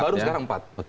baru sekarang empat